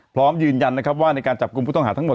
พร้อมยืนยันนะครับว่าในการจับกลุ่มผู้ต้องหาทั้งหมด